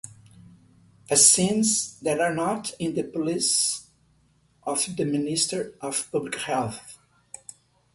Vaccines that are not in the policies of the Ministry of Public Health.